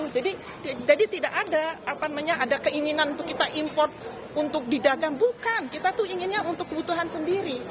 jadi tidak ada apa apanya ada keinginan untuk kita import untuk didagang bukan kita tuh inginnya untuk kebutuhan sendiri